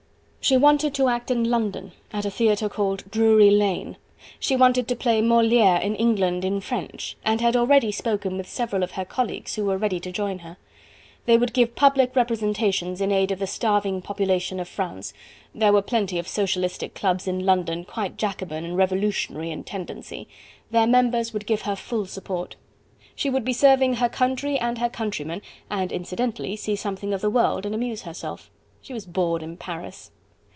She wanted to act in London, at a theatre called Drury Lane. She wanted to play Moliere in England in French, and had already spoken with several of her colleagues, who were ready to join her. They would give public representations in aid of the starving population of France; there were plenty of Socialistic clubs in London quite Jacobin and Revolutionary in tendency: their members would give her full support. She would be serving her country and her countrymen and incidentally see something of the world, and amuse herself. She was bored in Paris.